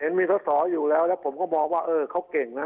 มีสอสออยู่แล้วแล้วผมก็มองว่าเออเขาเก่งนะ